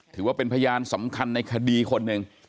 ถือว่าเป็นพยานสำคัญในคดีคนหนึ่ง